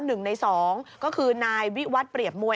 หนึ่งในสองก็คือนายวิวัตรเปรียบมวย